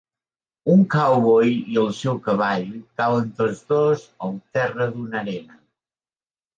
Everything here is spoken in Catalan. Un cowboy i el seu cavall cauen tots dos al terra d'una arena.